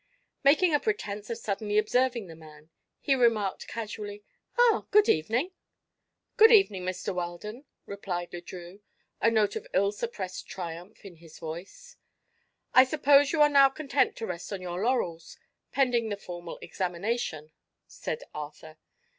Making a pretense of suddenly observing the man, he remarked casually: "Ah, good evening." "Good evening, Mr. Weldon," replied Le Drieux, a note of ill suppressed triumph in his voice. "I suppose you are now content to rest on your laurels, pending the formal examination?" said Arthur.